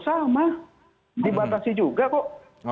sama dibatasi juga kok